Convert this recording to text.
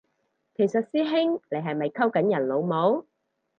其實師兄你係咪溝緊人老母？